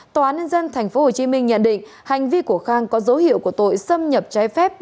tòa án nhân dân tp hcm nhận định hành vi của khang có dấu hiệu của tội xâm nhập trái phép